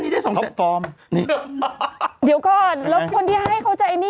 ไม่มีคนซื้อต่อไปจน๒๕๐๐๐๐